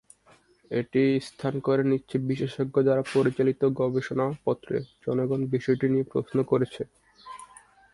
এটি স্থান করে নিচ্ছে বিশেষজ্ঞ দ্বারা পরিচালিত গবেষণাপত্রে, জনগণ বিষয়টি নিয়ে প্রশ্ন করছে।